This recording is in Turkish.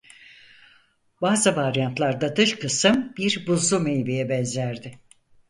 Bazı varyantlarda dış kısım bir buzlu meyveye benzerdi.